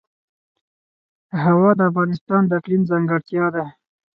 هوا د افغانستان د اقلیم ځانګړتیا ده.